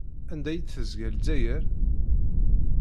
Anda i d-tezga Lezzayer?